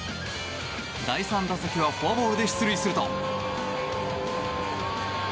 第３打席はフォアボールで出塁すると。